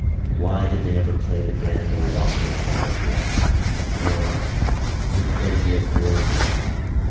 Why did they never play the grand old operas now, he asked, _Dinorah, Lucrezia Borgia?